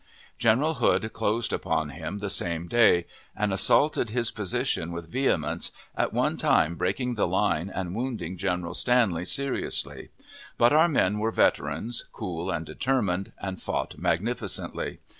General Hood closed upon him the same day, and assaulted his position with vehemence, at one time breaking the line and wounding General Stanley seriously; but our men were veterans, cool and determined, and fought magnificently.